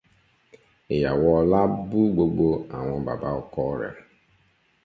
Ìyàwó Ọlá bú gbogbo àwọn baba ọkọ rẹ̀.